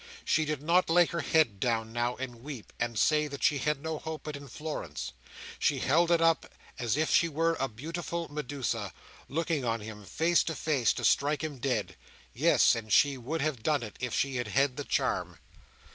She did not lay her head down now, and weep, and say that she had no hope but in Florence. She held it up as if she were a beautiful Medusa, looking on him, face to face, to strike him dead. Yes, and she would have done it, if she had had the charm.